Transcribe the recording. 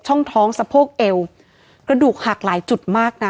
ช่องท้องสะโพกเอวกระดูกหักหลายจุดมากนะ